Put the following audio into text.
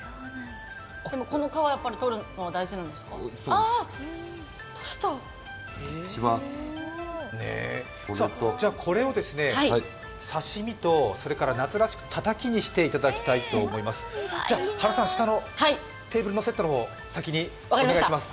この皮を取るのがやっぱり大事なんですねじゃ、これを刺身と夏らしくたたきにしていただきたいと思います原さん、下のテーブルのセットの方先にお願いします。